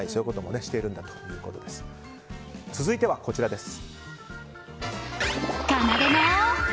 続いてはこちらです。